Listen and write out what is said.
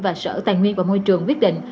và sở tài nguyên và môi trường quyết định